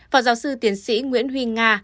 phòng giáo sư tiến sĩ nguyễn huy nga